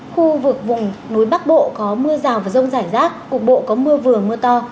khu vực vùng núi bắc bộ có mưa rào và rông rải rác cục bộ có mưa vừa mưa to